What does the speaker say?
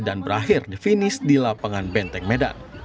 dan berakhir di finish di lapangan benteng medan